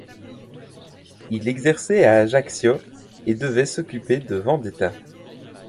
Il exerçait à Ajaccio et devait s’occuper de vendetta.